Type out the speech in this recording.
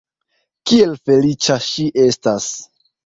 Kiel feliĉa ŝi estas!